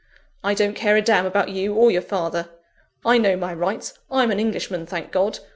I don't care a damn about you or your father! I know my rights; I'm an Englishman, thank God!